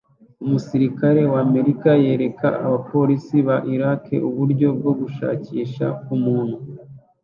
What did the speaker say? Umusirikare w’Amerika yereka abapolisi ba Iraki uburyo bwo gushakisha umuntu